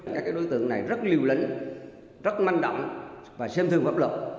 các đối tượng này rất liều lĩnh rất manh động và xem thường pháp luật